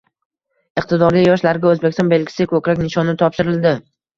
Iqtidorli yoshlarga Oʻzbekiston belgisi koʻkrak nishoni topshirildi